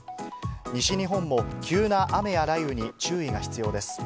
西日本も急な雨や雷雨に注意が必要です。